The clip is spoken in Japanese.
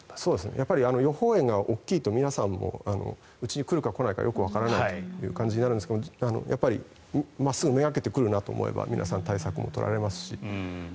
やっぱり予報円が大きいと皆さんもうちに来るか来ないかよくわからないという感じになりますがやっぱり真っすぐめがけて来るなと思えば皆さん対策も取られますし。